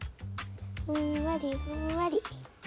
ふんわりふんわり。